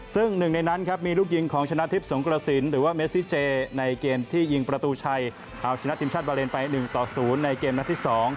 ซึ่งหนึ่งในนั้นครับมีลูกยิงของชนะทิพย์สงกระสินหรือว่าเมซิเจในเกมที่ยิงประตูชัยเอาชนะทีมชาติบาเลนไป๑ต่อ๐ในเกมนัดที่๒